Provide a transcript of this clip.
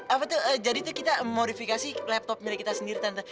apa tuh jadi tuh kita modifikasi laptop milik kita sendiri tante